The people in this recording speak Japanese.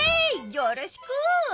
よろしく！